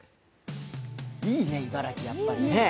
いいね、茨城やっぱりね。